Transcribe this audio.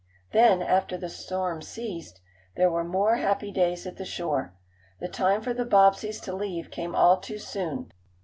Then, after the storm ceased, there were more happy days at the shore. The time for the Bobbseys to leave came all too soon.